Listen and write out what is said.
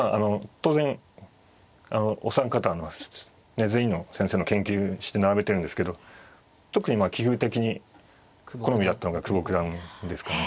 当然お三方の全員の先生の研究して並べてるんですけど特に棋風的に好みだったのが久保九段ですかね。